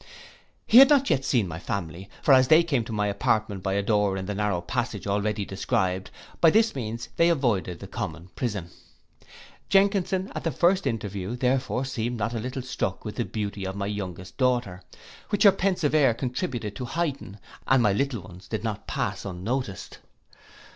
He had not yet seen my family, for as they came to my apartment by a door in the narrow passage, already described, by this means they avoided the common prison. Jenkinson at the first interview therefore seemed not a little struck with the beauty of my youngest daughter, which her pensive air contributed to heighten, and my little ones did not pass unnoticed.